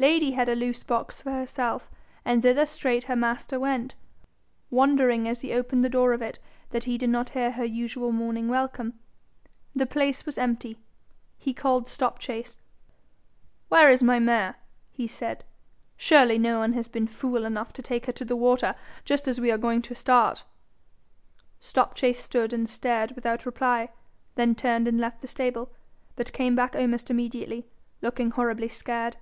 Lady had a loose box for herself, and thither straight her master went, wondering as he opened the door of it that he did not hear usual morning welcome. The place was empty. He called Stopchase. 'Where is my mare?' he said. 'Surely no one has been fool enough to take her to the water just as we are going to start.' Stopchase stood and stared without reply, then turned and left the stable, but came back almost immediately, looking horribly scared.